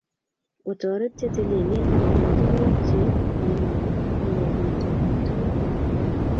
Otoret che tililen eng' tuguk che bononi, oiyebitu eng'toek.